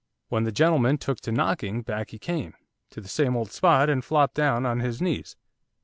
When the gentleman took to knocking, back he came, to the same old spot, and flopped down on his knees.